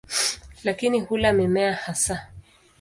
Lakini hula mimea hasa.